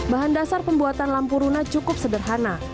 bahan dasar pembuatan lampu runa cukup sederhana